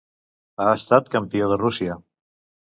Ha estat Campió de Rússia.